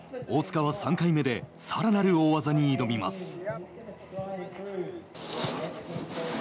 大塚は３回目でさらなる大技に挑みます。